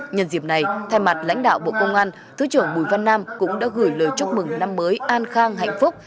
nhân dịp này thay mặt lãnh đạo bộ công an thứ trưởng bùi văn nam cũng đã gửi lời chúc mừng năm mới an khang hạnh phúc